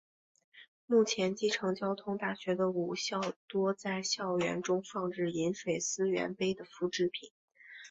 目前继承交通大学的五校多在校园中放置饮水思源碑的复制品。